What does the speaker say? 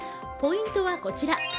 ポイントはこちら。